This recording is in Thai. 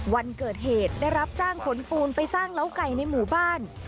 วันเกิดเหตุได้รับจ้างขนปูนไปสร้างเล้าไก่ในหมู่บ้าน